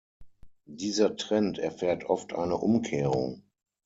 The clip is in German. Dieser Trend erfährt oft eine Umkehrung.